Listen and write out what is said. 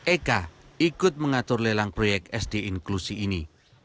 eka ikut mengatur lelang proyek sd inklusi ini